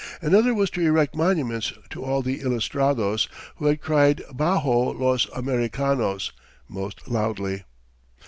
Another was to erect monuments to all the ilustrados who had cried "Bajo los Americanos" most loudly.